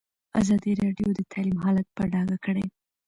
ازادي راډیو د تعلیم حالت په ډاګه کړی.